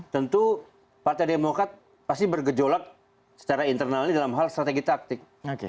tentu partai demokrat pasti bergejolak secara internal ini dalam hal strategi taktik